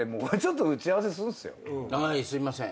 はいすいません。